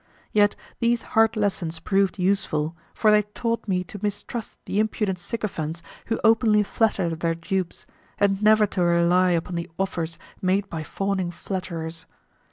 Yet these hard lessons proved useful, for they taught me to mistrust the impudent sycophants who openly flatter their dupes, and never to rely upon the offers made by fawning flatterers.